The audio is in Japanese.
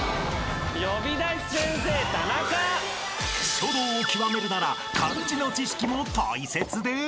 ［書道を究めるなら漢字の知識も大切です］